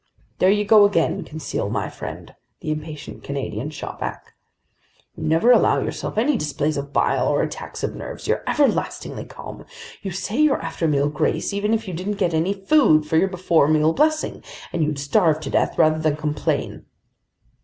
"There you go again, Conseil my friend!" the impatient Canadian shot back. "You never allow yourself any displays of bile or attacks of nerves! You're everlastingly calm! You'd say your after meal grace even if you didn't get any food for your before meal blessing—and you'd starve to death rather than complain!"